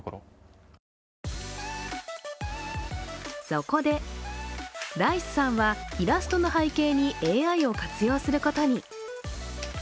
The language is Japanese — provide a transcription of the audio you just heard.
そこで、らいすさんはイラストの背景にＡＩを活用することに。